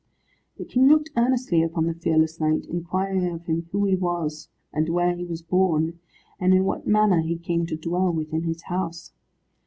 The King looked earnestly upon the fearless knight, inquiring of him who he was, and where he was born, and in what manner he came to dwell within his house.